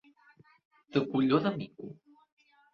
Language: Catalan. De colló de mico.